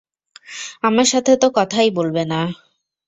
আমার সাথে তো কথাই বলবে না।